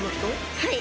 はい。